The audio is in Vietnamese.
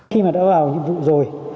khi mà đã vào nhiệm vụ rồi